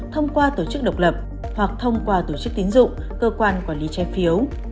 thông qua tổ chức độc lập hoặc thông qua tổ chức tín dụng cơ quan quản lý trái phiếu